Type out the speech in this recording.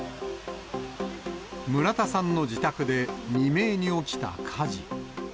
村田さんの自宅で未明に起きた火事。